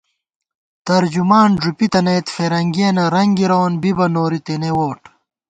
ترجمان ݫُپِتَنَئیت فِرَنگِیَنہ رنگ گِرَوون بِبہ نوری تېنےووٹ